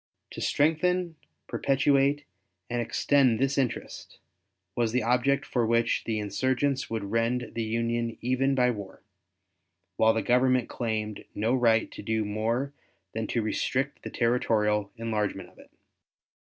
To strengthen, perpetuate, and extend this interest, was the object for which the insurgents would rend the Union even by war, while the Government claimed no right to do more than to restrict the territorial enlargement of it.